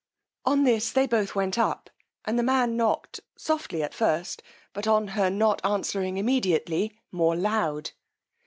On this they both went up, and the man knocked softly at first, but on her not answering immediately, more loud.